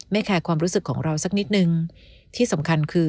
แคร์ความรู้สึกของเราสักนิดนึงที่สำคัญคือ